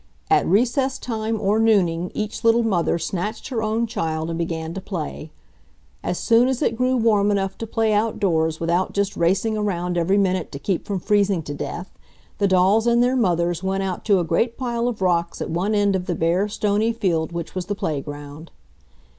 At recess time or nooning each little mother snatched her own child and began to play. As soon as it grew warm enough to play outdoors without just racing around every minute to keep from freezing to death, the dolls and their mothers went out to a great pile of rocks at one end of the bare, stony field which was the playground.